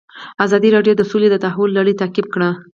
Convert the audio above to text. ازادي راډیو د سوله د تحول لړۍ تعقیب کړې.